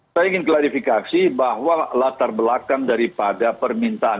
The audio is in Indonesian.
saya ingin klarifikasi bahwa latar belakang daripada permintaan